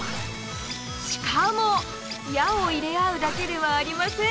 しかも矢を入れ合うだけではありません。